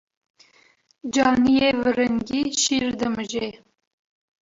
Caniyê viringî şîr dimije.